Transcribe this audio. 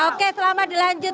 oke selamat dilanjut